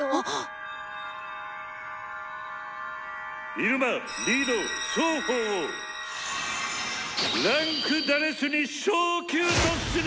「イルマリード双方を位階『４』に昇級とする！」。